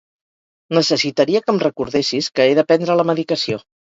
Necessitaria que em recordessis que he de prendre la medicació.